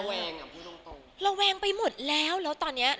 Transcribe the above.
แวงอ่ะพูดตรงตรงระแวงไปหมดแล้วแล้วตอนเนี้ย